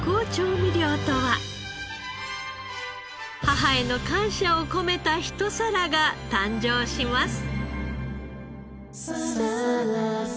母への感謝を込めた一皿が誕生します。